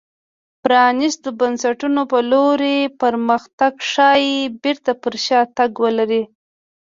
پرانېستو بنسټونو په لور پرمختګ ښايي بېرته پر شا تګ ولري.